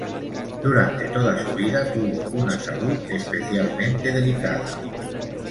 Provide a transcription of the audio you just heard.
Durante toda su vida tuvo una salud especialmente delicada.